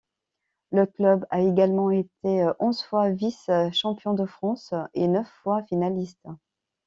Le club a également été onze fois vice-champion de France et neuf fois finaliste.